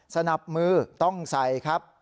สนับมือต้องใส่ครับ